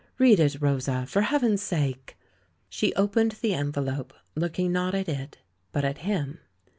"Read it, Rosa, for Heaven's sake!" She opened the envelope, looking not at it, but at him.